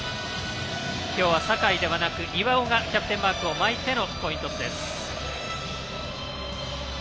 今日は酒井ではなく岩尾がキャプテンマークを巻いてコイントスでした。